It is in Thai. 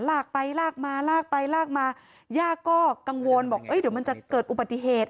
ลากไปลากมาลากไปลากมาย่าก็กังวลบอกเดี๋ยวมันจะเกิดอุบัติเหตุ